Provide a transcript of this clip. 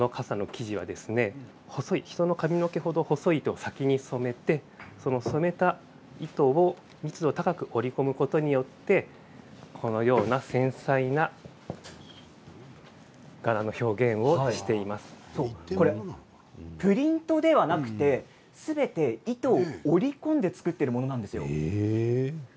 人の髪の毛程細いものを先に染めてそれを密度、濃く織り込むことによってこのような繊細な柄の表現をプリントではなくてすべて糸を織り込んで作っているんです。